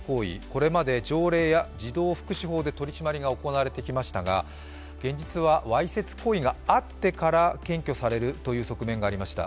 これまで条例や児童福祉法で取り締まりが行われてきましたが、現実はわいせつ行為があってから検挙されるという側面がありました。